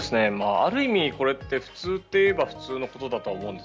ある意味これって普通といえば普通のことだとは思うんです。